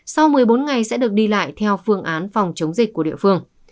sau một mươi bốn ngày sẽ được đi lại theo phương án phòng chống dịch của địa phương